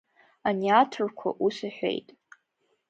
Ани аҭырқәа ус иҳәеит…